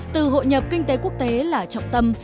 từ hội nhập kinh tế quốc tế là trọng tâm